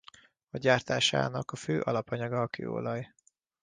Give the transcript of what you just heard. A gyártásának a fő alapanyaga a kőolaj.